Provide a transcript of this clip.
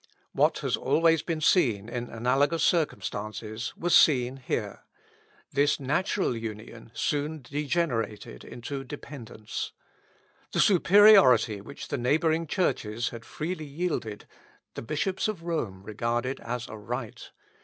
What has always been seen in analogous circumstances was seen here; this natural union soon degenerated into dependence. The superiority which the neighbouring churches had freely yielded, the bishops of Rome regarded as a right.